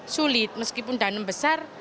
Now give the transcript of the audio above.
sulit meskipun danem besar